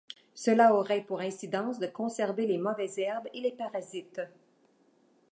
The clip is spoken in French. Cela aurait pour incidence de conserver les mauvaises herbes et les parasites.